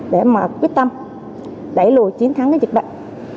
để mà quyết tâm đẩy lùi chiến thắng cái dịch bệnh